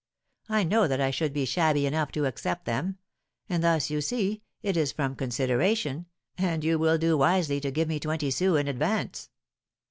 I know that I should be shabby enough to accept them; and thus, you see, it is from consideration, and you will do wisely to give me twenty sous in advance."